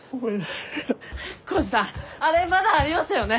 耕治さんあれまだありましたよね